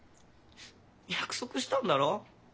約束したんだろ？